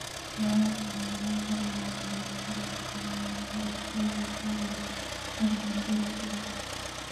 The album overall received generally positive reviews from music critics.